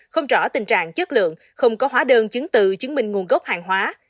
không rõ tình trạng chất lượng không có hóa đơn chứng từ chứng minh nguồn gốc hàng hóa